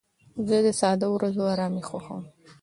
زه د ساده ورځو ارامي خوښوم.